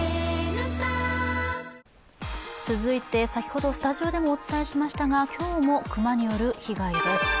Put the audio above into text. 続いて、先ほどスタジオでもお伝えしましたが今日も熊による被害です。